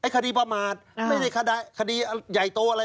คดีประมาทไม่ได้คดีใหญ่โตอะไร